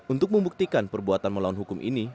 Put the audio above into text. untuk membuktikan perbuatan melawan hukum ini